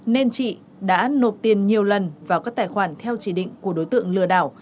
nên chị đã nộp tiền nhiều lần vào các tài khoản theo chỉ định của đối tượng lừa đảo